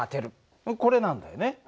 これなんだよね。